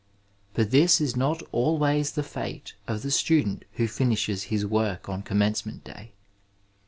But this is not always the fate of the student who finishes his work on Commencement Day.